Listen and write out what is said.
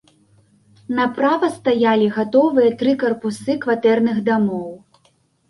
Направа стаялі гатовыя тры карпусы кватэрных дамоў.